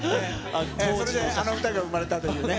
あれであの歌が生まれたというね。